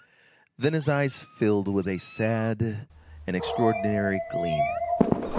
Then his eyes were filled with a sad and extraordinary gleam.